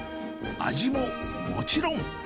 味ももちろん。